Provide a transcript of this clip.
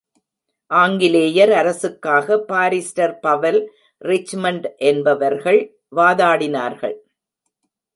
ஆங்கிலேயர் அரசுக்காக, barrister Powell, Richmond என்பவர்கள் வாதாடினார்கள்.